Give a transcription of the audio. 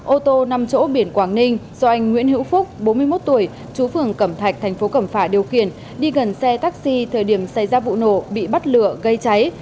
ô tô năm chỗ biển quảng ninh do anh nguyễn hữu phúc bốn mươi một tuổi chú phường cẩm thạch thành phố cẩm phả điều khiển đi gần xe taxi thời điểm xảy ra vụ nổ bị bắt lửa gây cháy